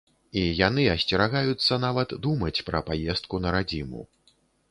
І яны асцерагаюцца нават думаць пра паездку на радзіму.